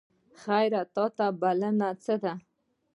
خیر ته بلنه څه ده؟